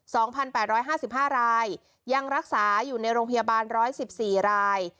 สองพันแปดร้อยห้าสิบห้ารายยังรักษาอยู่ในโรงพยาบาลร้อยสิบสี่ราย